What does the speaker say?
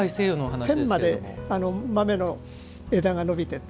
天まで豆の枝が伸びてと。